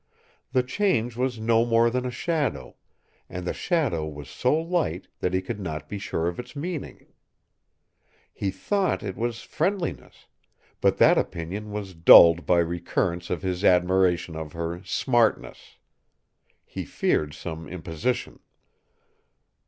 The change was no more than a shadow; and the shadow was so light that he could not be sure of its meaning. He thought it was friendliness, but that opinion was dulled by recurrence of his admiration of her "smartness." He feared some imposition.